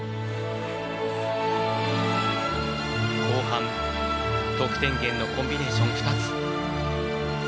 後半、得点源のコンビネーション２つ。